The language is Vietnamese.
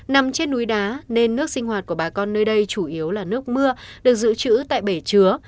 nằm trên núi đá nên nước sinh hoạt của bà con nơi đây chủ yếu là nước mưa được dự trữ tại bể chứa